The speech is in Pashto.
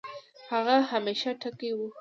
هغه همېشه ټکے وۀ